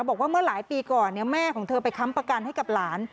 บอกว่าเมื่อหลายปีก่อนแม่ของเธอไปค้ำประกันให้กับหลาน